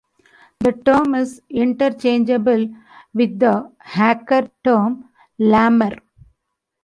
The term is interchangeable with the hacker term "lamer".